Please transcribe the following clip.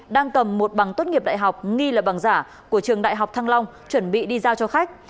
đang cầm một bằng tốt nghiệp đại học nghi là bằng giả của trường đại học thăng long chuẩn bị đi giao cho khách